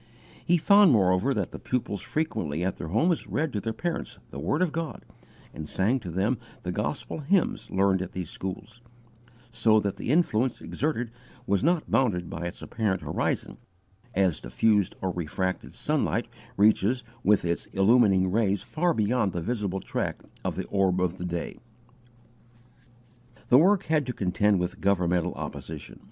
He found, moreover, that the pupils frequently at their homes read to their parents the word of God and sang to them the gospel hymns learned at these schools, so that the influence exerted was not bounded by its apparent horizon, as diffused or refracted sunlight reaches with its illumining rays far beyond the visible track of the orb of day. The work had to contend with governmental opposition.